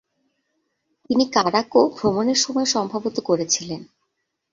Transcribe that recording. তিনি কারাকও ভ্রমণের সময় সম্ভবত করেছিলেন।